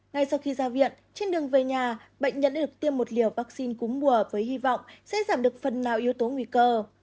ngay sau khi ra viện trên đường về nhà bệnh nhân được tiêm một liều vaccine cúm mùa với hy vọng sẽ giảm được phần nào yếu tố nguy cơ